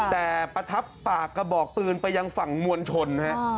แต่ประทับปากกระบอกปืนไปยังฝั่งมวลชนฮะ